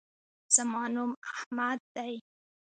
زما نوم احمد دی